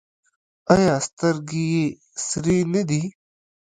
ایا سترګې یې سرې نه دي؟